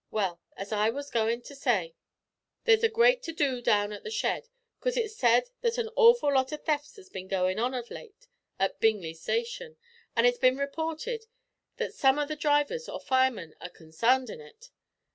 Well, as I wos agoin' to say, there's a great to do down at the shed, 'cause it's said that an awful lot o' thefts has bin goin' on of late at Bingly station, and it's bin reported that some of the drivers or firemen are consarned in it.